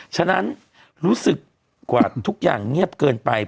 ฉะนั้นรู้สึกกว่าทุกอย่างเงียบเกินไป